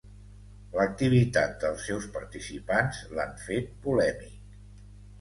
L'activitat dels seus participants l'han fet polèmic.